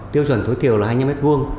tiêu chuẩn tối thiểu là hai mươi m hai